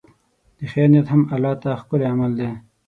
د خیر نیت هم الله ته ښکلی عمل دی.